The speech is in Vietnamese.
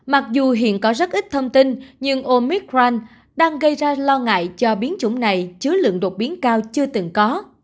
mặc dù hiện có rất ít thông tin nhưng omic ran đang gây ra lo ngại cho biến chủng này chứa lượng đột biến cao chưa từng có